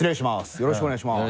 よろしくお願いします。